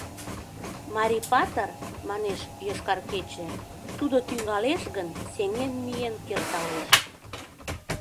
— Марий патыр, — манеш «Йошкар кече», — тудо тӱҥалеш гын, сеҥен миен керталеш».